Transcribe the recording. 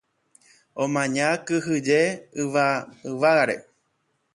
omaña kyhyje yvágare